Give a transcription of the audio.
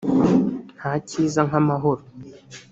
ntakiza nkamahoro .